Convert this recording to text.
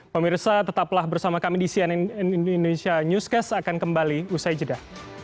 pemirsa tetaplah bersama kami di cnn indonesia newscast akan kembali usai jeda